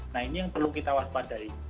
nah ini yang perlu kita waspadai